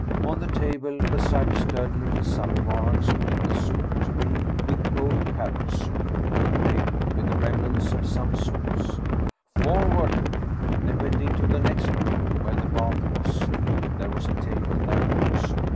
On the table, beside a sturdy little samovar, stood a soup tureen with cold cabbage soup and a plate with the rem nants of some sauce. "Forward!" They went into the next room, where the bath was. There was a table there also.